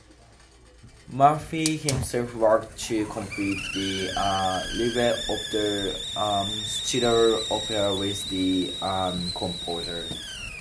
Maffei himself worked to complete the libretto of the Schiller opera with the composer.